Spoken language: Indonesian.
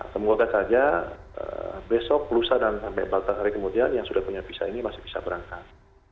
semoga saja besok lusa dan sampai empat belas hari kemudian yang sudah punya visa ini masih bisa berangkat